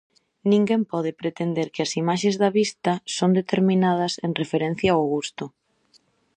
Ninguén pode pretender que as imaxes da vista son determinadas en referencia ó gusto.